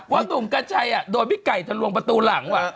หนุ่มกัญชัยโดนพี่ไก่ทะลวงประตูหลังว่ะ